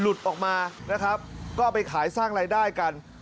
ออกมานะครับก็เอาไปขายสร้างรายได้กัน